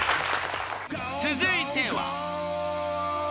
［続いては］